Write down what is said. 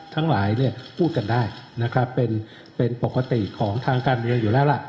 ทั้งหลายเนี่ยพูดกันได้นะครับเป็นปกติของทางการเมืองอยู่แล้วล่ะ